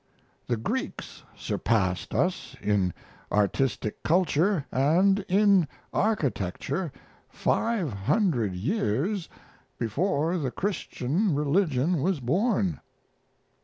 The Greeks surpassed us in artistic culture and in architecture five hundred years before the Christian religion was born.